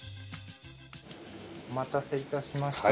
お待たせ致しました。